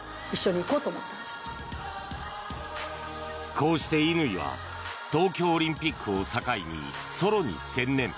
こうして乾は東京オリンピックを境にソロに専念。